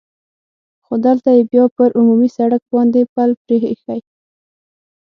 خو دلته یې بیا پر عمومي سړک باندې پل پرې اېښی.